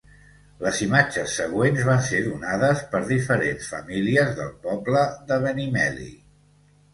Les imatges següents van ser donades per diferents famílies del poble de Benimeli.